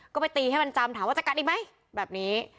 ก็ไปตีให้มันจำถามว่าจะกัดอีกไหมแบบนี้